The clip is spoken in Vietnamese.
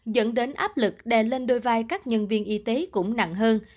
dẫn đến áp lực đè lên đôi vai các nhân viên y tế cũng nặng hơn